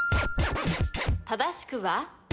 正しくは？